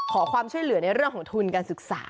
ขอความช่วยเหลือในเรื่องของทุนการศึกษา